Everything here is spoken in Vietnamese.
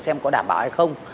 xem có đảm bảo hay không